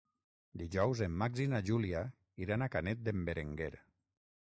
Dijous en Max i na Júlia iran a Canet d'en Berenguer.